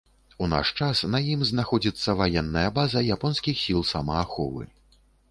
У наш час на ім знаходзіцца ваенная база японскіх сіл самааховы.